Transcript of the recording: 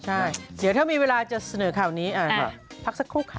ใช่เดี๋ยวถ้ามีเวลาจะเสนอข่าวนี้พักสักครู่ค่ะ